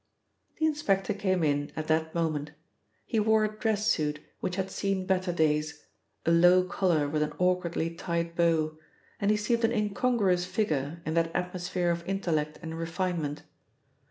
The inspector came in at that moment. He wore a dress suit which had seen better days, a low collar with an awkwardly tied bow, and he seemed an incongruous figure in that atmosphere of intellect and refinement.